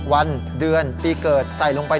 วันเดือนปีเกิดใส่ลงไป